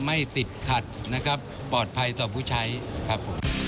ไม่ติดขัดนะครับปลอดภัยต่อผู้ใช้ครับผม